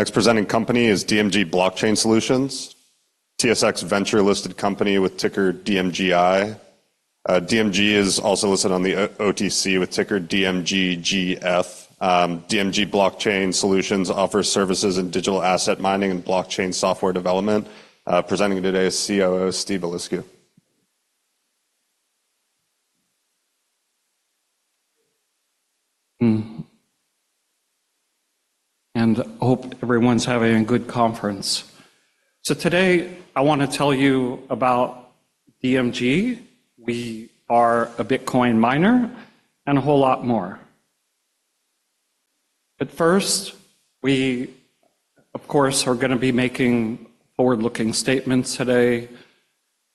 Next presenting company is DMG Blockchain Solutions, TSX Venture listed company with ticker DMGI. DMG is also listed on the OTC with ticker DMGGF. DMG Blockchain Solutions offers services in digital asset mining and blockchain software development. Presenting today is Chief Operating Officer Steven Eliscu. And hope everyone's having a good conference. So today, I wanna tell you about DMG. We are a Bitcoin miner and a whole lot more. But first, we, of course, are gonna be making forward-looking statements today.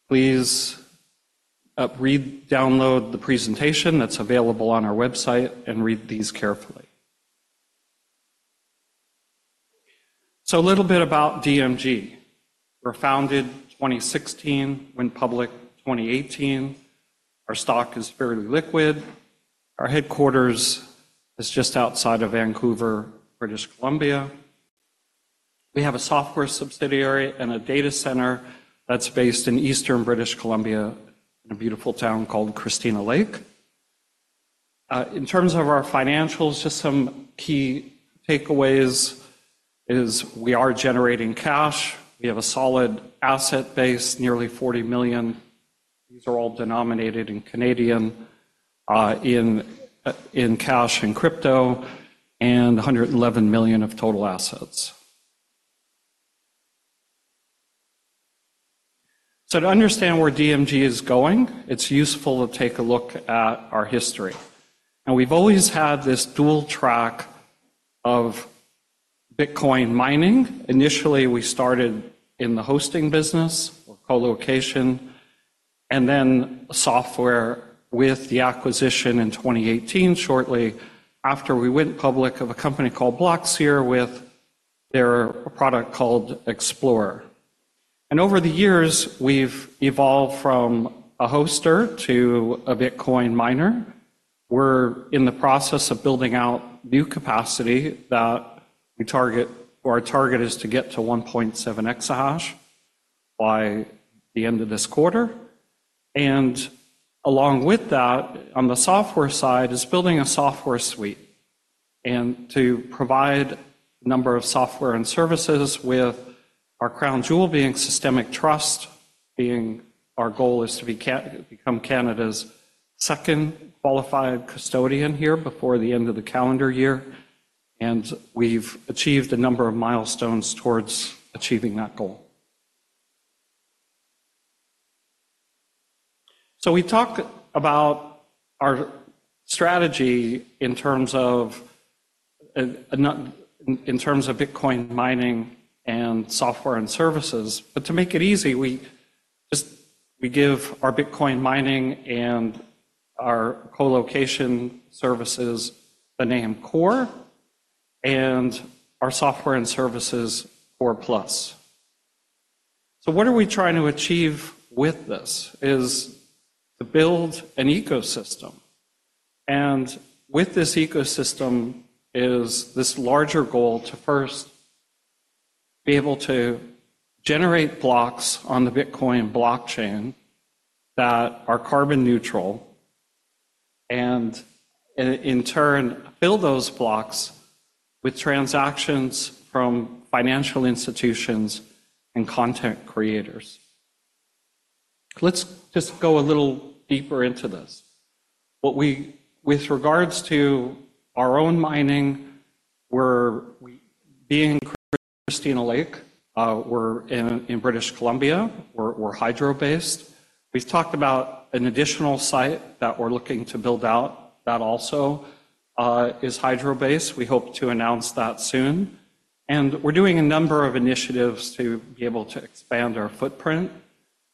Please read, download the presentation that's available on our website and read these carefully. So a little bit about DMG. We were founded 2016, went public 2018. Our stock is fairly liquid. Our headquarters is just outside of Vancouver, British Columbia. We have a software subsidiary and a data center that's based in Eastern British Columbia, in a beautiful town called Christina Lake. In terms of our financials, just some key takeaways is we are generating cash. We have a solid asset base, nearly 40 million. These are all denominated in Canadian in cash and crypto, and 111 million of total assets. So to understand where DMG is going, it's useful to take a look at our history. Now, we've always had this dual track of Bitcoin mining. Initially, we started in the hosting business or colocation, and then software with the acquisition in 2018, shortly after we went public, of a company called Blockseer with their product called Explorer. And over the years, we've evolved from a hoster to a Bitcoin miner. We're in the process of building out new capacity that we target, our target is to get to 1.7 exahash by the end of this quarter. And along with that, on the software side, is building a software suite, and to provide a number of software and services with our crown jewel being Systemic Trust, and our goal is to become Canada's second qualified custodian here before the end of the calendar year, and we've achieved a number of milestones towards achieving that goal. So we've talked about our strategy in terms of Bitcoin mining and software and services. But to make it easy, we just give our Bitcoin mining and our colocation services the name Core and our software and services, Core+. So what are we trying to achieve with this? is to build an ecosystem, and with this ecosystem is this larger goal to first be able to generate blocks on the Bitcoin blockchain that are carbon neutral, and in turn, fill those blocks with transactions from financial institutions and content creators. Let's just go a little deeper into this. With regards to our own mining, we're being Christina Lake, we're in British Columbia, we're hydro-based. We've talked about an additional site that we're looking to build out that also is hydro-based. We hope to announce that soon. And we're doing a number of initiatives to be able to expand our footprint.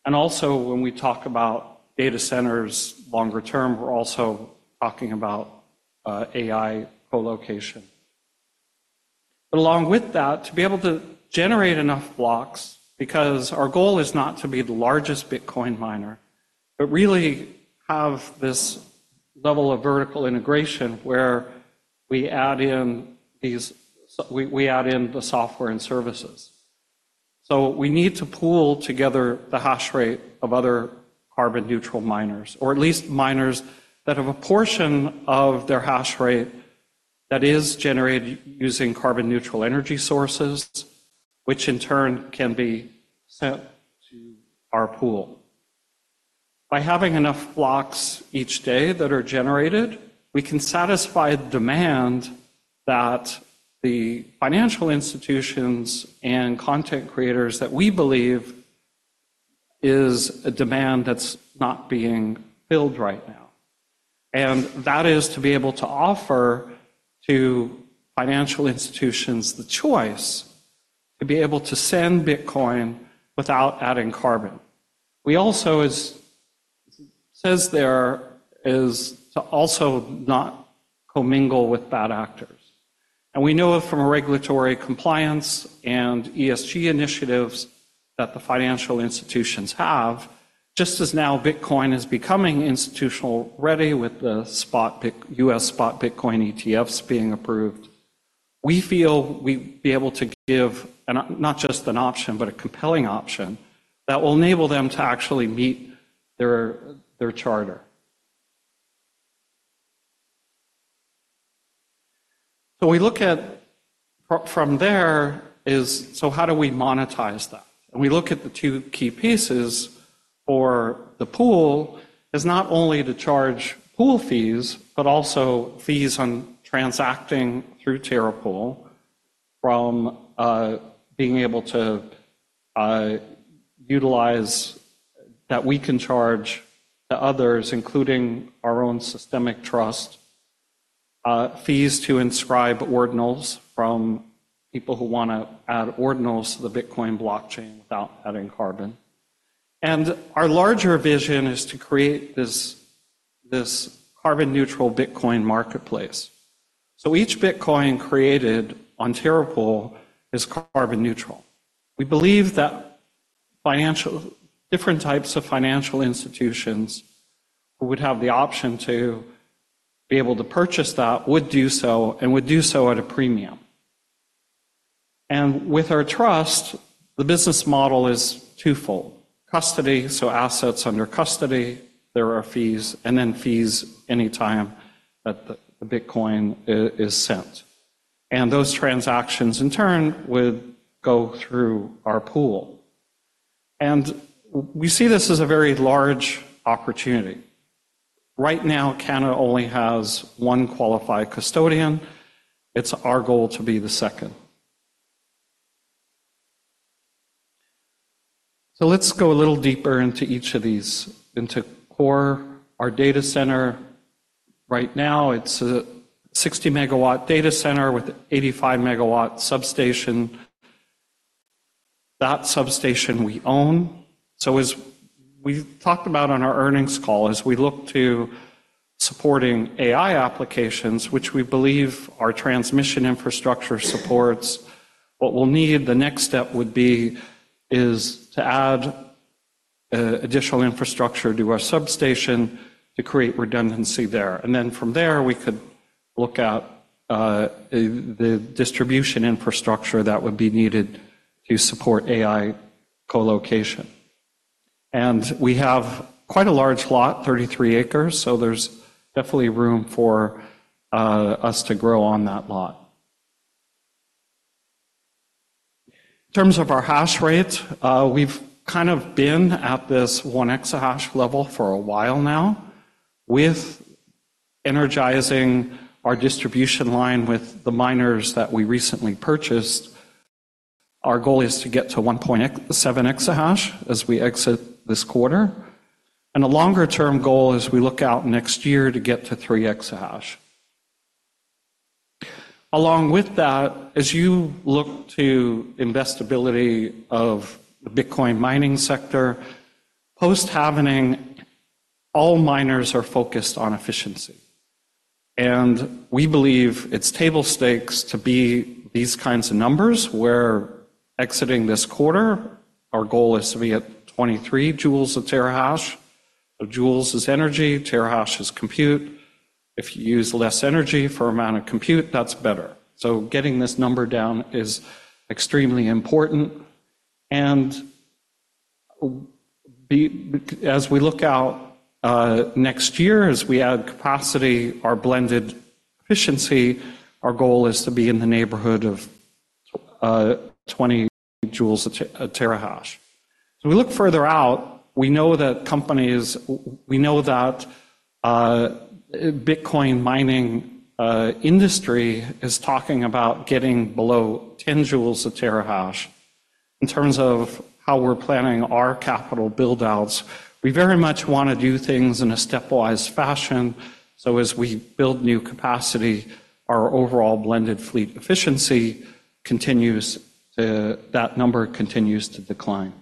And also, when we talk about data centers longer term, we're also talking about AI colocation. But along with that, to be able to generate enough blocks, because our goal is not to be the largest Bitcoin miner, but really have this level of vertical integration where we add in the software and services, so we need to pool together the hash rate of other carbon-neutral miners, or at least miners that have a portion of their hash rate that is generated using carbon-neutral energy sources, which in turn can be sent to our pool. By having enough blocks each day that are generated, we can satisfy the demand that the financial institutions and content creators that we believe is a demand that's not being filled right now, and that is to be able to offer to financial institutions the choice to be able to send Bitcoin without adding carbon. We also, as it says there, is to also not commingle with bad actors. And we know from a regulatory compliance and ESG initiatives that the financial institutions have, just as now Bitcoin is becoming institutional-ready with the US spot Bitcoin ETFs being approved, we feel we'd be able to give an, not just an option, but a compelling option that will enable them to actually meet their charter. So we look at from there, so how do we monetize that? And we look at the two key pieces for the pool is not only to charge pool fees, but also fees on transacting through Terra Pool from being able to utilize that we can charge the others, including our own Systemic Trust fees to inscribe ordinals from people who want to add ordinals to the Bitcoin blockchain without adding carbon. And our larger vision is to create this carbon-neutral Bitcoin marketplace. So each Bitcoin created on Terra Pool is carbon neutral. We believe that financial, different types of financial institutions would have the option to be able to purchase that, would do so, and would do so at a premium. And with our trust, the business model is twofold: custody, so assets under custody, there are fees, and then fees anytime that the Bitcoin is sent. And those transactions, in turn, would go through our pool. And we see this as a very large opportunity. Right now, Canada only has one qualified custodian. It's our goal to be the second. So let's go a little deeper into each of these, into Core, our data center. Right now, it's a 60-megawatt data center with an 85-megawatt substation. That substation we own. So as we've talked about on our earnings call, as we look to supporting AI applications, which we believe our transmission infrastructure supports, what we'll need, the next step would be, is to add additional infrastructure to our substation to create redundancy there. And then from there, we could look at the distribution infrastructure that would be needed to support AI colocation. And we have quite a large lot, 33 acres, so there's definitely room for us to grow on that lot. In terms of our hash rate, we've kind of been at this one exahash level for a while now. With energizing our distribution line with the miners that we recently purchased, our goal is to get to one point seven exahash as we exit this quarter, and a longer-term goal as we look out next year to get to three exahash. Along with that, as you look to investability of the Bitcoin mining sector, post-halving, all miners are focused on efficiency, and we believe it's table stakes to be these kinds of numbers, where exiting this quarter, our goal is to be at twenty-three joules a terahash. So joules is energy, terahash is compute. If you use less energy for amount of compute, that's better. So getting this number down is extremely important. And as we look out, next year, as we add capacity, our blended efficiency, our goal is to be in the neighborhood of twenty joules a terahash. As we look further out, we know that Bitcoin mining industry is talking about getting below ten joules a terahash. In terms of how we're planning our capital build-outs, we very much want to do things in a stepwise fashion, so as we build new capacity, our overall blended fleet efficiency continues to, that number continues to decline.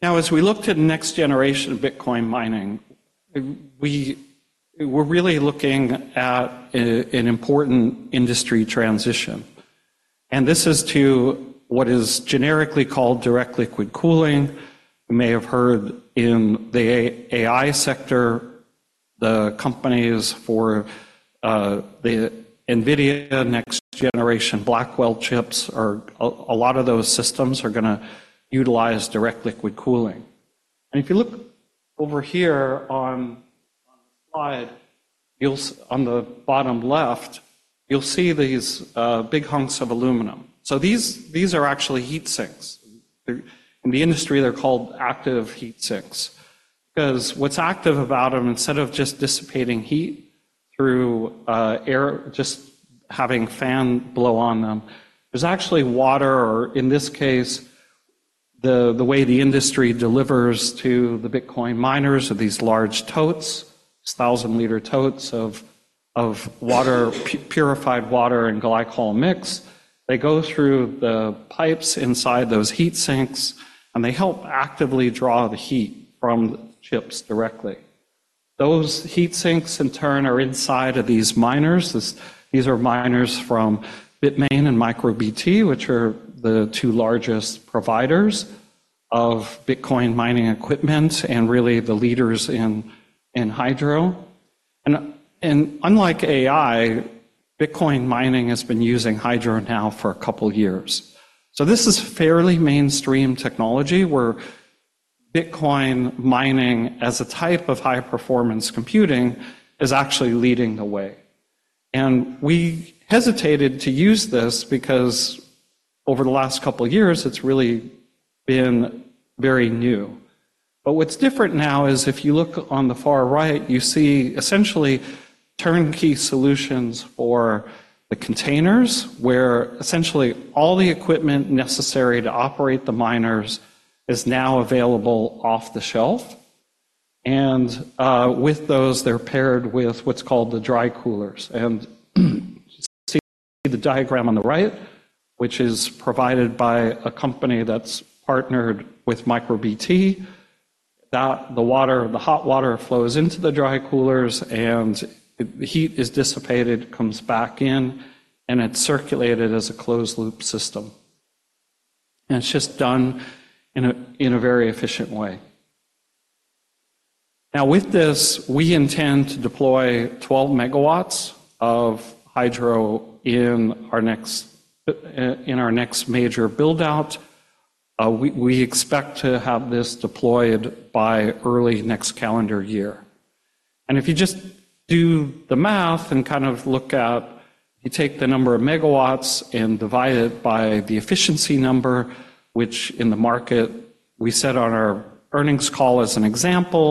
Now, as we look to the next generation of Bitcoin mining, we're really looking at an important industry transition, and this is to what is generically called direct liquid cooling. You may have heard in the AI sector, the companies for the NVIDIA next-generation Blackwell chips are a lot of those systems are gonna utilize direct liquid cooling. And if you look over here on the slide, on the bottom left, you'll see these big hunks of aluminum. So these are actually heat sinks. They're in the industry, they're called active heat sinks. 'Cause what's active about them, instead of just dissipating heat through air, just having fan blow on them, there's actually water or, in this case, the way the industry delivers to the Bitcoin miners are these large totes, these thousand-liter totes of purified water and glycol mix. They go through the pipes inside those heat sinks, and they help actively draw the heat from the chips directly. Those heat sinks, in turn are inside of these miners. These are miners from Bitmain and MicroBT, which are the two largest providers of Bitcoin mining equipment and really the leaders in hydro. And unlike AI, Bitcoin mining has been using hydro now for a couple of years. So this is fairly mainstream technology, where Bitcoin mining as a type of high-performance computing is actually leading the way. We hesitated to use this because over the last couple of years, it's really been very new. What's different now is if you look on the far right, you see essentially turnkey solutions for the containers, where essentially all the equipment necessary to operate the miners is now available off the shelf. With those, they're paired with what's called the dry coolers. See the diagram on the right, which is provided by a company that's partnered with MicroBT, that the water, the hot water flows into the dry coolers, and the heat is dissipated, comes back in, and it's circulated as a closed-loop system. It's just done in a very efficient way. Now, with this, we intend to deploy 12 megawatts of hydro in our next major build-out. We expect to have this deployed by early next calendar year. If you just do the math and kind of look at you take the number of megawatts and divide it by the efficiency number, which in the market, we said on our earnings call as an example,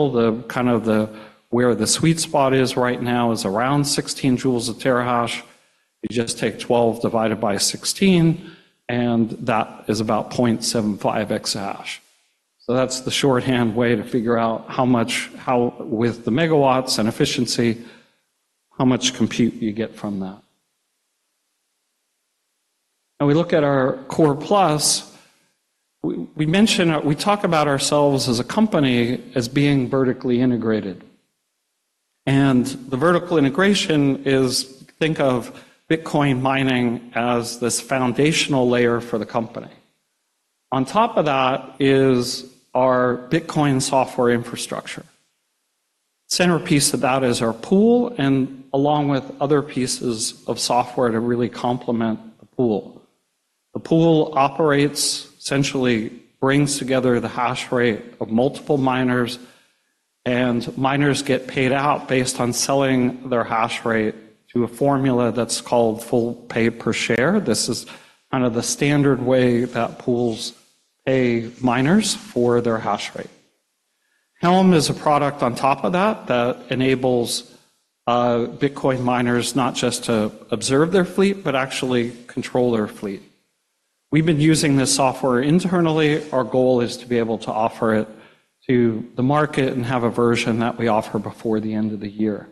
where the sweet spot is right now is around 16 Joules per terahash. You just take 12 divided by 16, and that is about 0.75 exahash. That's the shorthand way to figure out how much with the megawatts and efficiency, how much compute you get from that. Now, we look at our Core+. We mention, we talk about ourselves as a company as being vertically integrated. The vertical integration is, think of Bitcoin mining as this foundational layer for the company. On top of that is our Bitcoin software infrastructure. Centerpiece of that is our pool, and along with other pieces of software to really complement the pool. The pool operates, essentially brings together the hash rate of multiple miners, and miners get paid out based on selling their hash rate to a formula that's called Full Pay Per Share. This is kind of the standard way that pools pay miners for their hash rate. Helm is a product on top of that, that enables Bitcoin miners not just to observe their fleet, but actually control their fleet. We've been using this software internally. Our goal is to be able to offer it to the market and have a version that we offer before the end of the year,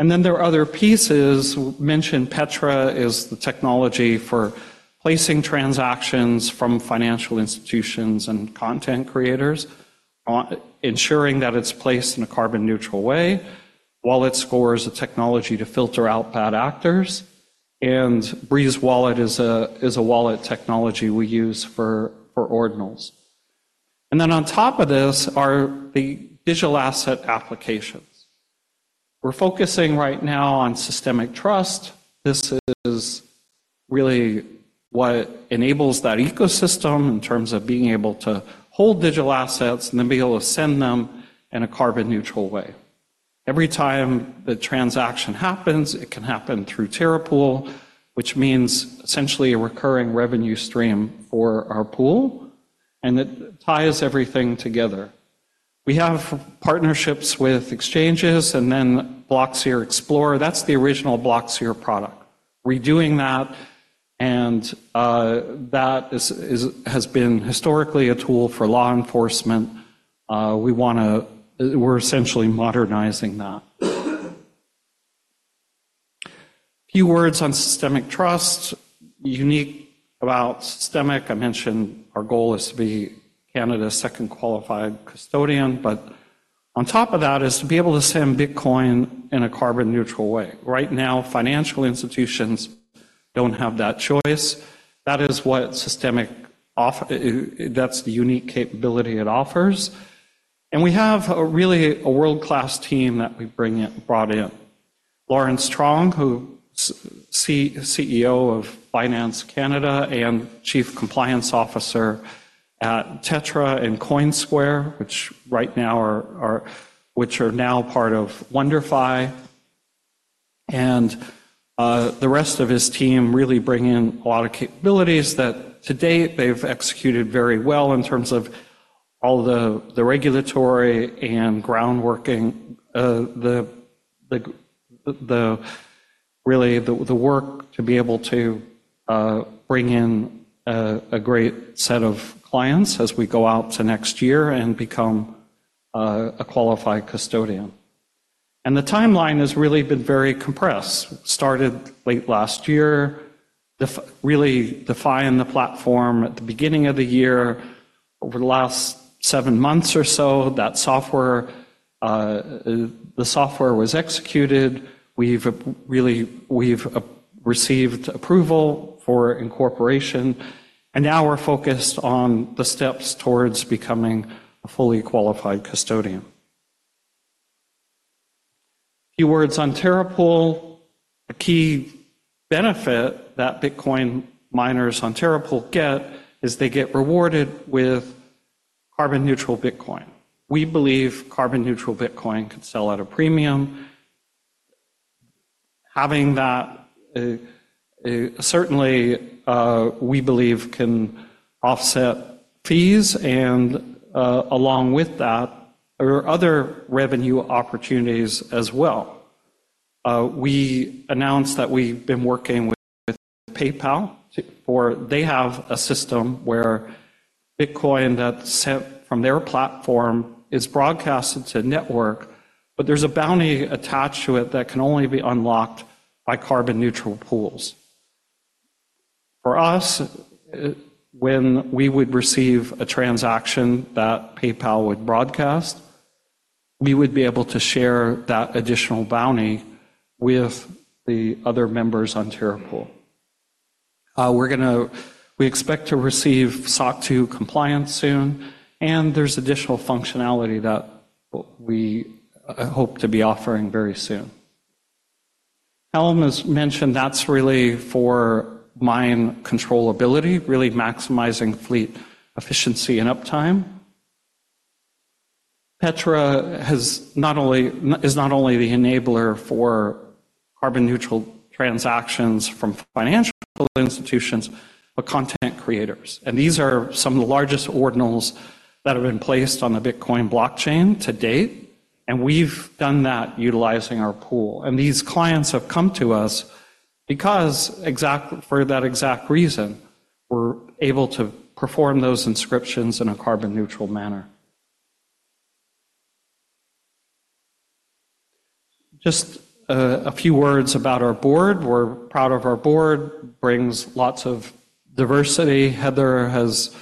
and then there are other pieces. We mentioned Petra is the technology for placing transactions from financial institutions and content creators on, ensuring that it's placed in a carbon neutral way, while Score is a technology to filter out bad actors. Breeze Wallet is a wallet technology we use for ordinals. Then on top of this are the digital asset applications. We're focusing right now on Systemic Trust. This is really what enables that ecosystem in terms of being able to hold digital assets and then be able to send them in a carbon neutral way. Every time the transaction happens, it can happen through Terra rPool, which means essentially a recurring revenue stream for our pool, and it ties everything together. We have partnerships with exchanges and then Blockseer Explorer. That's the original Blockseer product. Redoing that, and that has been historically a tool for law enforcement. We're essentially modernizing that. A few words on Systemic Trust. Unique about Systemic, I mentioned our goal is to be Canada's second qualified custodian, but on top of that is to be able to send Bitcoin in a carbon neutral way. Right now, financial institutions don't have that choice. That is what Systemic offers. That's the unique capability it offers. And we have a really world-class team that we brought in. Lawrence Truong, who's CEO of Binance Canada and Chief Compliance Officer at Tetra and Coinsquare, which right now are which are now part of WonderFi, and the rest of his team really bring in a lot of capabilities that to date, they've executed very well in terms of all the regulatory and groundwork, the real work to be able to bring in a great set of clients as we go out to next year and become a qualified custodian. The timeline has really been very compressed. Started late last year, really defining the platform at the beginning of the year. Over the last seven months or so, that software was executed. We've really received approval for incorporation, and now we're focused on the steps towards becoming a fully qualified custodian. A few words on Terra Pool. A key benefit that Bitcoin miners on Terra Pool get is they get rewarded with carbon-neutral Bitcoin. We believe carbon-neutral Bitcoin can sell at a premium. Having that, certainly, we believe can offset fees, and along with that, there are other revenue opportunities as well. We announced that we've been working with PayPal. They have a system where Bitcoin that's sent from their platform is broadcasted to network, but there's a bounty attached to it that can only be unlocked by carbon-neutral pools. For us, when we would receive a transaction that PayPal would broadcast, we would be able to share that additional bounty with the other members on Terra Pool. We expect to receive SOC 2 compliance soon, and there's additional functionality that we hope to be offering very soon. Helm, as mentioned that's really for mine controllability, really maximizing fleet efficiency and uptime. Petra is not only the enabler for carbon-neutral transactions from financial institutions, but content creators. And these are some of the largest Ordinals that have been placed on the Bitcoin blockchain to date, and we've done that utilizing our pool. And these clients have come to us because, for that exact reason, we're able to perform those inscriptions in a carbon-neutral manner. Just a few words about our board. We're proud of our board, brings lots of diversity. Heather has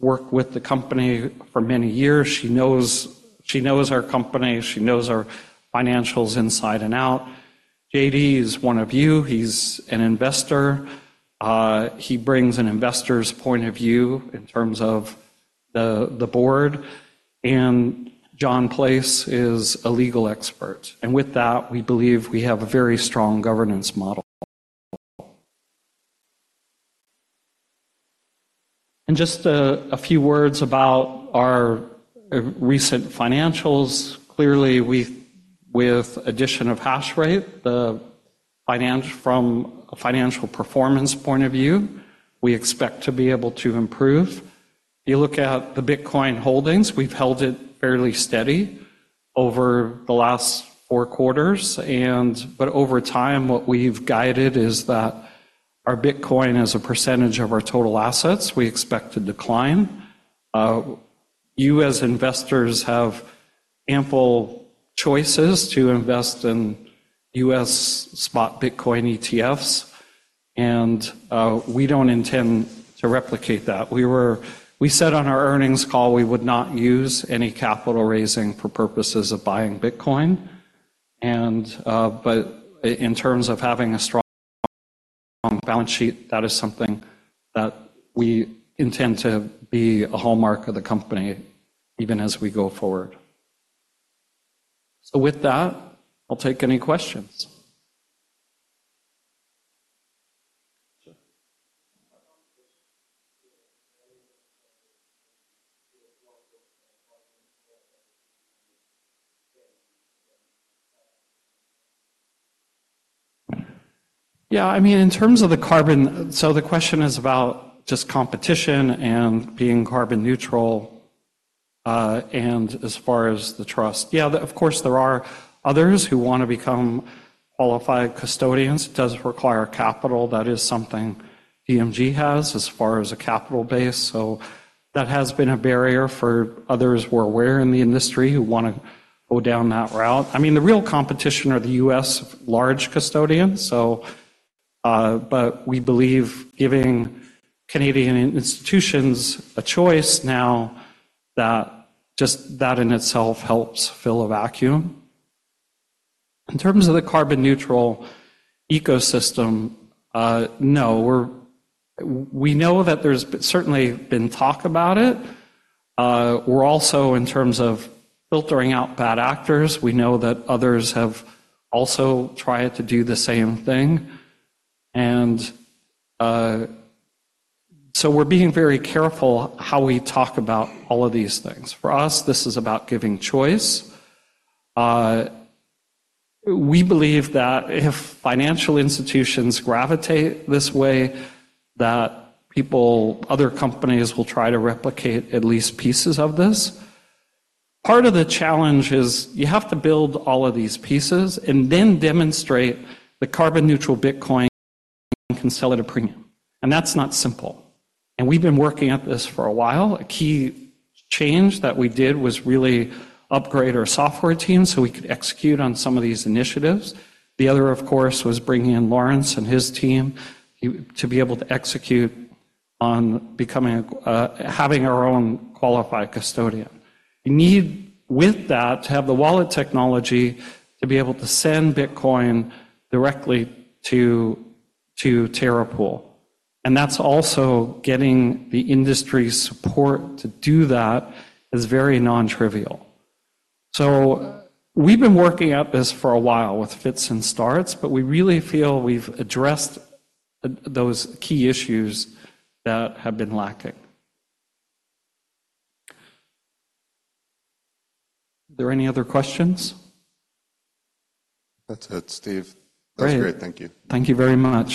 worked with the company for many years. She knows our company. She knows our financials inside and out. J.D. is one of you. He's an investor. He brings an investor's point of view in terms of the board, and John Place is a legal expert. With that, we believe we have a very strong governance model. Just a few words about our recent financials. Clearly, with addition of hash rate, from a financial performance point of view, we expect to be able to improve. If you look at the Bitcoin holdings, we've held it fairly steady over the last four quarters, but over time, what we've guided is that our Bitcoin, as a percentage of our total assets, we expect to decline. You as investors have ample choices to invest in U.S. spot Bitcoin ETFs, and we don't intend to replicate that. We said on our earnings call we would not use any capital raising for purposes of buying Bitcoin, and, but in terms of having a strong balance sheet, that is something that we intend to be a hallmark of the company even as we go forward. So with that, I'll take any questions. Yeah, I mean, in terms of the carbon. So the question is about just competition and being carbon neutral, and as far as the trust. Yeah, of course, there are others who want to become qualified custodians. It does require capital. That is something DMG has as far as a capital base, so that has been a barrier for others we're aware in the industry who want to go down that route. I mean, the real competition are the U.S. large custodians, so, but we believe giving Canadian institutions a choice now, that just, that in itself helps fill a vacuum. In terms of the carbon-neutral ecosystem, no. We know that there's certainly been talk about it. We're also, in terms of filtering out bad actors, we know that others have also tried to do the same thing, and so we're being very careful how we talk about all of these things. For us, this is about giving choice. We believe that if financial institutions gravitate this way, that people, other companies will try to replicate at least pieces of this. Part of the challenge is you have to build all of these pieces and then demonstrate that carbon-neutral Bitcoin can sell at a premium, and that's not simple, and we've been working at this for a while. A key change that we did was really upgrade our software team, so we could execute on some of these initiatives. The other, of course, was bringing in Lawrence and his team to be able to execute on becoming a qualified custodian. You need, with that, to have the wallet technology to be able to send Bitcoin directly to Terra Pool, and that's also getting the industry's support to do that is very non-trivial. So we've been working at this for a while with fits and starts, but we really feel we've addressed those key issues that have been lacking. Are there any other questions? That's it, Steve. Great. That's great. Thank you. Thank you very much.